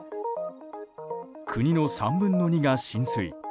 国の３分の２が浸水。